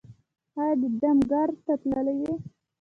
ایا د دم ګر ته تللي وئ؟